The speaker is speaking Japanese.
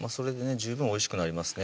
十分おいしくなりますね